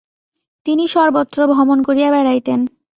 তিনি সর্বত্র ভ্রমণ করিয়া বেড়াইতেন।